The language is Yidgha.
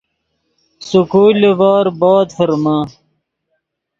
سکول لیڤور بود ڤرمے